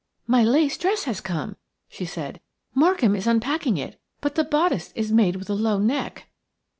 "My lace dress has come," she said. "Markham is unpacking it – but the bodice is made with a low neck."